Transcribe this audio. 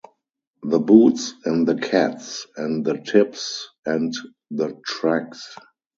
The boots and the cats and the tips and the tracks.